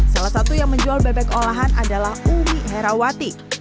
salah satu yang menjual bebek olahan adalah umi herawati